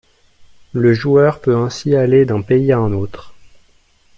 Le joueur peut ainsi aller d'un pays à un autre.